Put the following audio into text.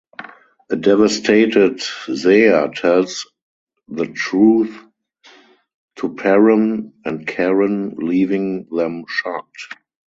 A devastated Seher tells the truth to Param and Karan leaving them shocked.